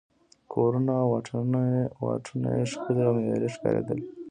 کورونه او واټونه یې ښکلي او معیاري ښکارېدل.